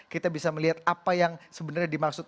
kita bisa melihat apa yang sebenarnya dimaksud